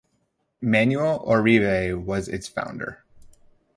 Manuel Oribe was its founder.